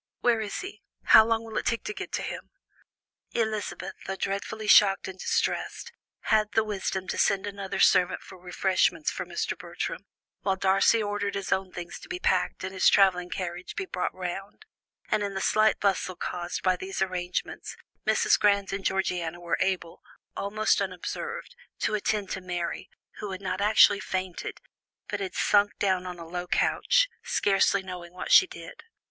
Where is he? How long will it take to get to him?" Elizabeth, though dreadfully shocked and distressed, had the wisdom to send another servant for refreshments for Mr. Bertram, while Darcy ordered his own things to be packed and his travelling carriage be brought round, and in the slight bustle caused by these arrangements, Mrs. Grant and Georgiana were able, almost unobserved, to attend to Mary, who had not actually fainted, but had sunk down on a low couch, scarcely knowing what she did.